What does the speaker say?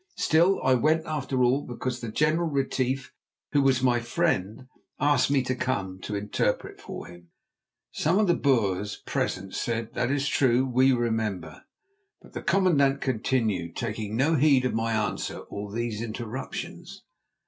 Still, I went after all because the General Retief, who was my friend, asked me to come, to interpret for him." Now some of the Boers present said: "That is true. We remember." But the commandant continued, taking no heed of my answer or these interruptions.